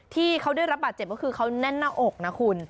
ที่เขาได้รับบาดเจ็บก็คือเขาแน่นหน้าอกนะคุณ